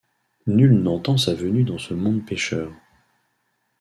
Nul n'entend sa venue dans ce monde pécheur.